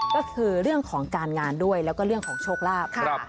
ก็คือเรื่องของการงานด้วยแล้วก็เรื่องของโชคลาภ